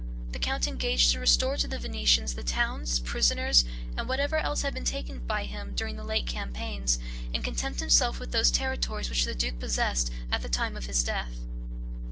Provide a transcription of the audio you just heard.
The count engaged to restore to the Venetians the towns, prisoners, and whatever else had been taken by him during the late campaigns, and content himself with those territories which the duke possessed at the time of his death.